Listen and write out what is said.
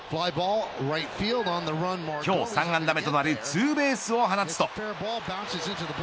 今日３安打目となるツーベースを放つと。